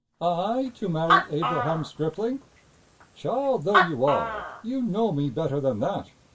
"I to marry Abraham Stripling! Child though you are, you know me better than that.